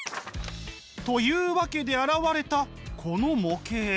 というわけで現れたこの模型。